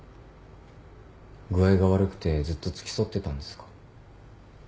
具合が悪くてずっと付き添ってたんですか？